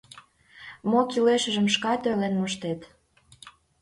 Мо кӱлешыжым шкат ойлен моштет.